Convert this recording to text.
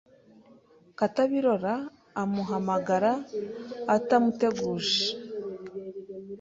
Katabirora amuhamagara atamuteguje